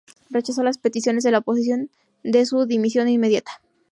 Rechazó las peticiones de la oposición de su dimisión inmediata.